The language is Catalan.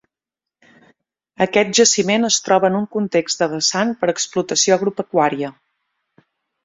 Aquest jaciment es troba en un context de vessant per explotació agropecuària.